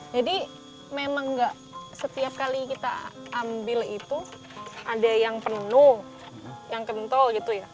jadi memang nggak setiap kali kita ambil itu ada yang penuh yang kentul gitu ya